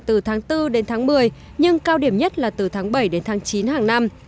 từ tháng bốn đến tháng một mươi nhưng cao điểm nhất là từ tháng bảy đến tháng chín hàng năm